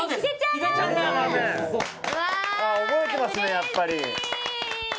覚えてますねやっぱり。